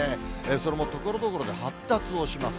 それもところどころで発達をします。